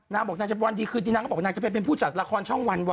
นางบอกนางจะวันดีคืนดีนางก็บอกนางจะไปเป็นผู้จัดละครช่องวันว่